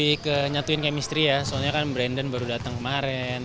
lebih ke menyatukan kemisi ya karena brandon baru datang kemarin